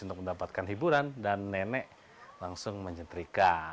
untuk mendapatkan hiburan dan nenek langsung menyetrika